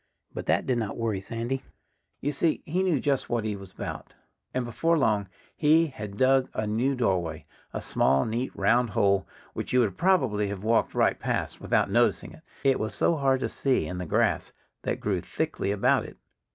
But that did not worry Sandy. You see, he knew just what he was about. And before long he had dug a new doorway a small, neat, round hole, which you would probably have walked right past, without noticing it, it was so hard to see in the grass that grew thickly about it.